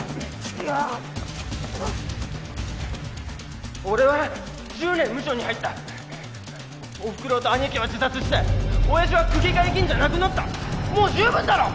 うっ俺は１０年ムショに入ったお袋と兄貴は自殺して親父は区議会議員じゃなくなったもう十分だろ？